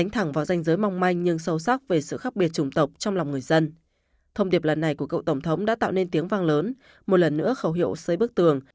thông điệp lần này của cựu tổng thống đã tạo nên tiếng vang lớn một lần nữa khẩu hiệu xây bức tường